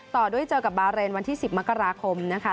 ต่อด้วยเจอกับบาเรนวันที่๑๐มกราคมนะคะ